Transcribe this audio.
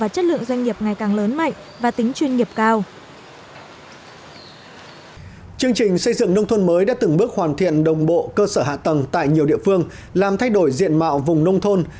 chương trình xây dựng nông thôn mới đã từng bước hoàn thiện đồng bộ cơ sở hạ tầng tại nhiều địa phương làm thay đổi diện mạo vùng nông thôn